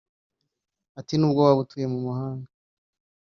Ati “ Nubwo waba utuye mu mahanga